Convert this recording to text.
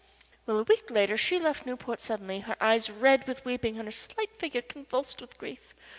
Well a week later she left Newport suddenly, her eyes red with weeping and her slight little figure convulsed with grief.